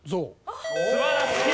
素晴らしい！